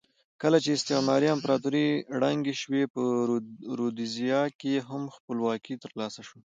کله چې استعماري امپراتورۍ ړنګې شوې په رودزیا کې هم خپلواکي ترلاسه شوه.